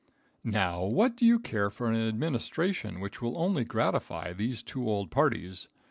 ] Now, what do you care for an administration which will only gratify those two old parties?